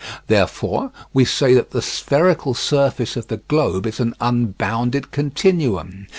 Therefore we say that the spherical surface of the globe is an unbounded continuum.